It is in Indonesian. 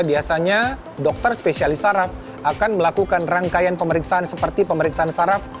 biasanya dokter spesialis saraf akan melakukan rangkaian pemeriksaan seperti pemeriksaan saraf